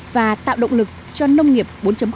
và tạo động lực cho nông nghiệp bốn